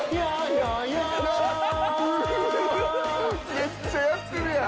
めっちゃやってるやん。